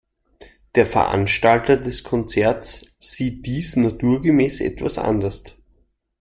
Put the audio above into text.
Der Veranstalter des Konzerts sieht dies naturgemäß etwas anders.